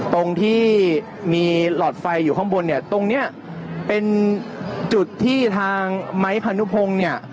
ตรงที่มีหลอดไฟอยู่ข้างบนเนี่ยตรงเนี้ยเป็นจุดที่ทางไม้พานุพงศ์เนี่ย